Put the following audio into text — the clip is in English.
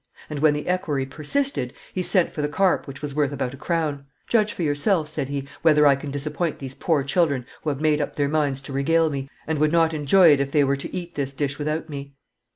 And, when the equerry persisted, he sent for the carp, which was worth about a crown. 'Judge for yourself,' said he, 'whether I can disappoint these poor children who have made up their minds to regale me, and would not enjoy it if they were to eat this dish without me.